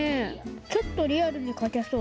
ちょっとリアルに描けそう。